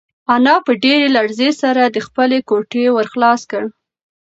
انا په ډېرې لړزې سره د خپلې کوټې ور خلاص کړ.